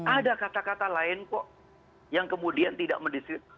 ada kata kata lain kok yang kemudian tidak mendistribusikan